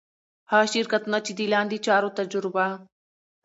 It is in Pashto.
هغه شرکتونه چي د لاندي چارو تجربه